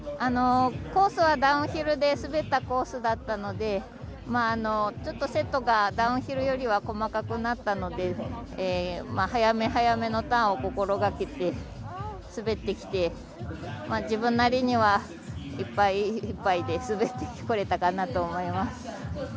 コースはダウンヒルで滑ったコースだったのでちょっとセットがダウンヒルよりは細かくなったので早め早めのターンを心がけて滑ってきて自分なりにはいっぱいいっぱいで滑ってこれたかなと思います。